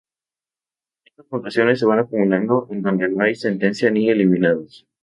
Estas puntuaciones se van acumulando en donde no hay sentencia ni eliminados.